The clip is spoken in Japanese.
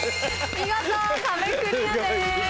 見事壁クリアです。